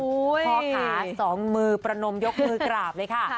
อุ๊ยพ่อขา๒มือประนมยกมือกราบเลยค่ะ